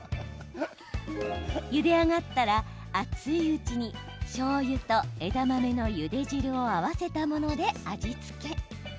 ゆで上がったら、熱いうちにしょうゆと枝豆のゆで汁を合わせたもので味付け。